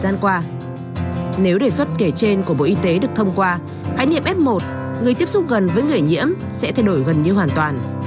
nếu đề xuất kể trên của bộ y tế được thông qua khái niệm f một người tiếp xúc gần với người nhiễm sẽ thay đổi gần như hoàn toàn